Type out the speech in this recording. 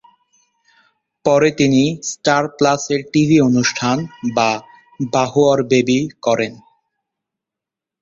পরে তিনি স্টার প্লাস-এর টিভি অনুষ্ঠান বা বাহু অউর বেবি করেন।